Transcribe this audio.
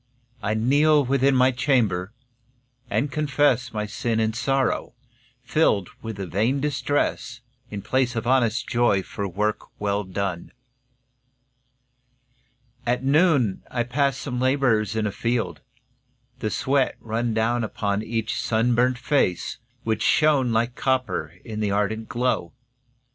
I kneel within my chamber, and confess My sin and sorrow, filled with vain distress, In place of honest joy for work well done. At noon I passed some labourers in a field. The sweat ran down upon each sunburnt face, Which shone like copper in the ardent glow.